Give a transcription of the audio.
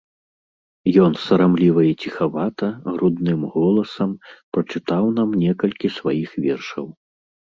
Ён сарамліва і ціхавата, грудным голасам, прачытаў нам некалькі сваіх вершаў.